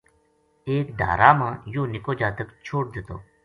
ایک ڈھارا ما یوہ نِکو جاتک چھوڈ دِتو